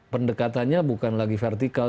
pendekatannya bukan lagi vertikal